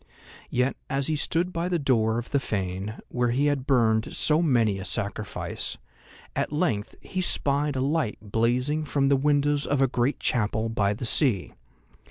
Yet, as he stood by the door of the fane, where he had burned so many a sacrifice, at length he spied a light blazing from the windows of a great chapel by the sea.